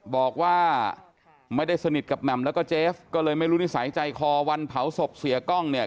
บอกว่าไม่ได้สนิทกับแหม่มแล้วก็เจฟก็เลยไม่รู้นิสัยใจคอวันเผาศพเสียกล้องเนี่ย